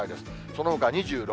そのほか２６、７度。